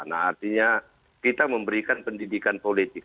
nah artinya kita memberikan pendidikan politik